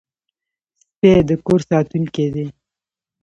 سپي د کور ساتونکي دي.